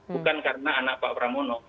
bukan karena anak pak pramono